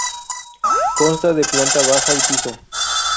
Consta de planta baja y piso.